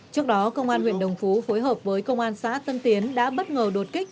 trước đó công an huyện đồng phú phối hợp với công an xã tân tiến đã bất ngờ đột kích